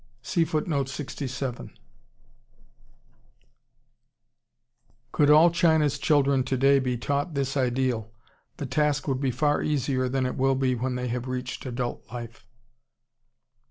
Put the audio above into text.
Could all China's children today be taught this ideal, the task would be far easier than it will be when they have reached adult life.